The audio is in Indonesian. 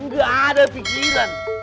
gak ada pikiran